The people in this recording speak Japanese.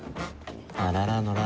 あららのら